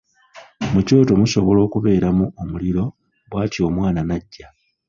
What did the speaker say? Mu kyoto musobola okubeeramu omuliro bw'atyo omwana n'aggya.